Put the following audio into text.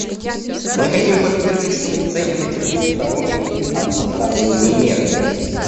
Мы хотим подтвердить, что мы ценим эти двусторонние и односторонние меры.